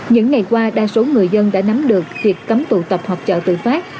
những ngày qua đa số người dân đã nắm được việc cấm tụ tập họp trợ tự phát